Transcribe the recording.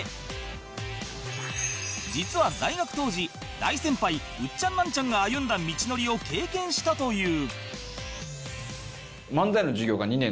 実は在学当時大先輩ウッチャンナンチャンが歩んだ道のりを経験したという